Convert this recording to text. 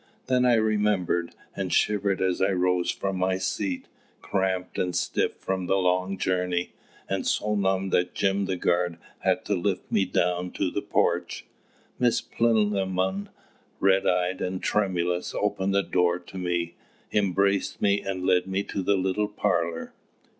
Then I remembered, and shivered as I rose from my seat, cramped and stiff from the long journey, and so numb that Jim the guard had to lift me down to the porch. Miss Plinlimmon, red eyed and tremulous, opened the door to me, embraced me, and led me to the little parlour.